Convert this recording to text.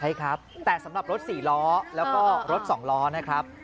ใช่ครับแต่สำหรับรถ๔ล้อแล้วก็รถ๒ล้อนะครับ